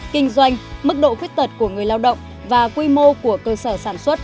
kinh doanh mức độ khuyết tật của người lao động và quy mô của cơ sở sản xuất